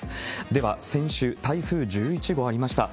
では、先週、台風１１号ありました。